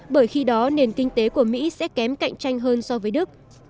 bởi khi đó nền kinh tế của mỹ sẽ kém cạnh tranh hơn so với đức